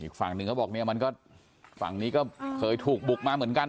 อีกฝั่งหนึ่งเขาบอกฝั่งนี้เป็นฝั่งที่เคยถูกบุกมาเหมือนกัน